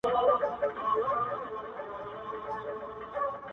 ¬ اوبه په ډانگ نه بېلېږي.